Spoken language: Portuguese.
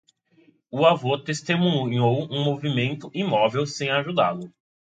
O avô testemunhou um movimento imóvel, sem ajudá-lo.